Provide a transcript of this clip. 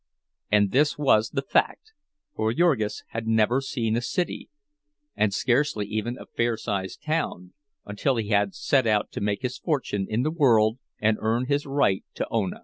And this was the fact, for Jurgis had never seen a city, and scarcely even a fair sized town, until he had set out to make his fortune in the world and earn his right to Ona.